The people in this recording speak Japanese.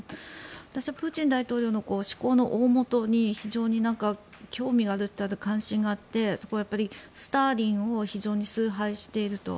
私はプーチン大統領の思考の大本に非常に興味があるというか関心があってそこはやっぱりスターリンを非常に崇拝していると。